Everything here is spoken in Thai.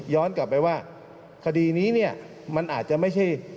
ย้อนกลับไปว่าคดีนี้มันอาจจะไม่ใช่